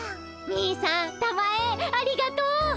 兄さんたまえありがとう。